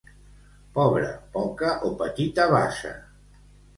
Pobre, poca o petita basa.